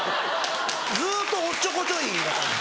ずっとおっちょこちょい。